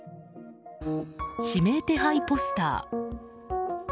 指名手配ポスター。